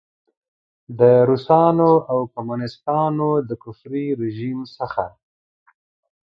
د روسانو او کمونیسټانو د کفري رژیم څخه.